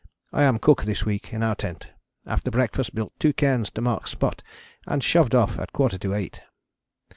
I am cook this week in our tent. After breakfast built two cairns to mark spot and shoved off at quarter to eight.